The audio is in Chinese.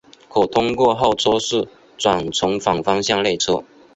可通过候车室转乘反方向列车。